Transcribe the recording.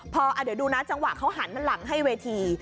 พอเดี๋ยวดูนะจังหวะเขาหันหลังให้เวที